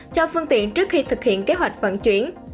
cho phương tiện trước khi thực hiện kế hoạch vận chuyển